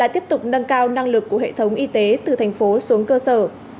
tiếp tục nâng cao năng lực của hệ thống y tế từ thành phố xuống cơ sở